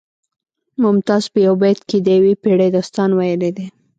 ممتاز په یو بیت کې د یوې پیړۍ داستان ویلی دی